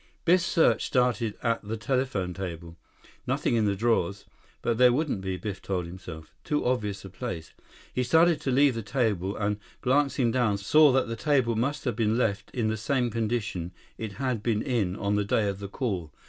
Biff's search started at the telephone table. Nothing in the drawers. But there wouldn't be, Biff told himself. Too obvious a place. He started to leave the table, and, glancing down, saw that the table must have been left in the same condition it had been in on the day of the call.